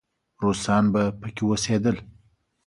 روسان به پکې اوسېدل.